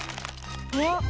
あっ！